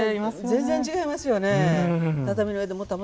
全然違いますよね。